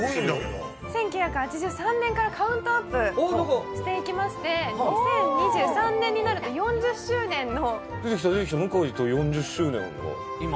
１９８３年からカウントアップしていきまして２０２３年になると４０周年の。